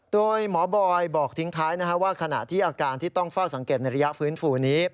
โดยหมอบอยบอกทิ้งท้ายว่าขณะที่อาการที่ต้องเฝ้าสังเกตในระยะฟื้นฟูนี้